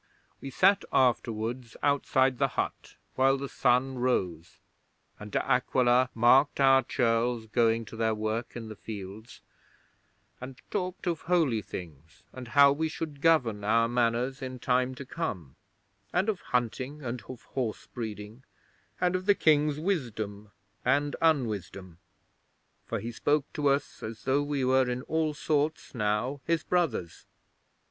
'We sat afterwards outside the hut while the sun rose, and De Aquila marked our churls going to their work in the fields, and talked of holy things, and how we should govern our Manors in time to come, and of hunting and of horse breeding, and of the King's wisdom and unwisdom; for he spoke to us as though we were in all sorts now his brothers.